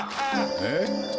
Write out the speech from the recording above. えっ？